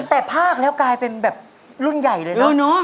แต่ภาคแล้วกลายเป็นแบบรุ่นใหญ่เลยเนอะ